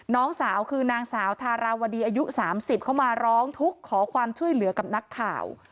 น้องสาวคือนางสาวทาราวดีอายุ๓๐เข้ามาร้องทุกข์ขอความช่วยเหลือกับนักข่าว